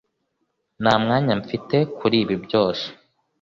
Nta mwanya mfite kuri ibi byose